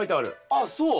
あっそう？